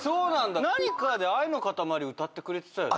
何かで『愛のかたまり』歌ってくれてたよね？